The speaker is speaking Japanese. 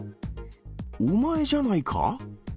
お前じゃないか？